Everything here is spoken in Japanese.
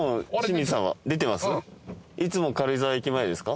いつも軽井沢駅前ですか？